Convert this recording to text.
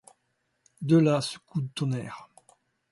De là ce coup de tonnerre.